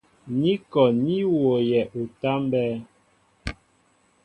Ní kɔ ní wooyɛ utámbɛ́ɛ́.